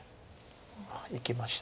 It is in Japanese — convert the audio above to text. いきました。